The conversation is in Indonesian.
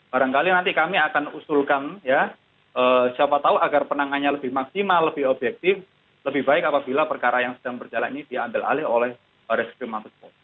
barangkali nanti kami akan usulkan ya siapa tahu agar penanganannya lebih maksimal lebih objektif lebih baik apabila perkara yang sedang berjalan ini diambil alih oleh baris krim mabespo